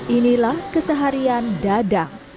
inilah keseharian dadang